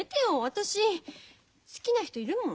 私好きな人いるもん。